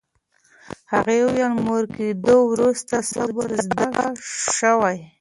هغې وویل، مور کېدو وروسته صبر زده شوی.